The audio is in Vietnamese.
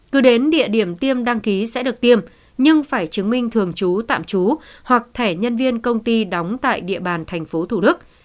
cứ đến địa điểm tiêm đăng ký sẽ được tiêm nhưng phải chứng minh thường trú tạm trú hoặc thẻ nhân viên công ty đóng tại địa bàn tp hcm